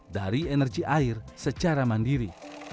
dari energi air secara mandiri